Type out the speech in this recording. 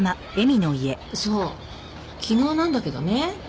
そう昨日なんだけどね。